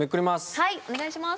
はいお願いします。